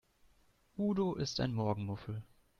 Udo ist ein Morgenmuffel.